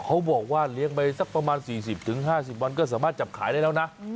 เขาบอกว่าเลี้ยงไปสักประมาณสี่สิบถึงห้าสิบวันก็สามารถจับขายได้แล้วนะ